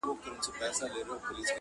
هغه اکثره وخت يوازې ناسته وي او فکر کوي-